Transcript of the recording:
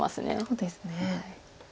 そうですね。